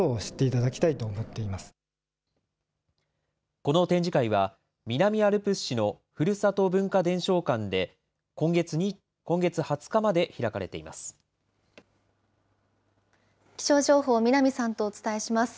この展示会は、南アルプス市のふるさと文化伝承館で今月２０日まで開かれていま気象情報、南さんとお伝えします。